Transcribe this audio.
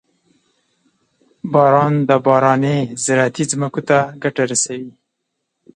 • باران د بارانۍ زراعتي ځمکو ته ګټه رسوي.